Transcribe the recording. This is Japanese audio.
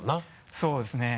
そうですね。